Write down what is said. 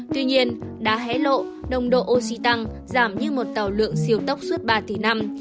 tuy nhiên đá hé lộ nồng độ oxy tăng giảm như một tàu lượng siêu tốc suốt ba tỷ năm